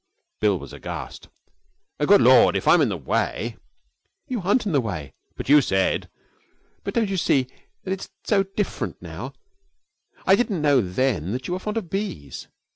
Bill was aghast. 'Good Lord! If I'm in the way ' 'You aren't in the way.' 'But you said ' 'But don't you see that it's so different now? I didn't know then that you were fond of bees.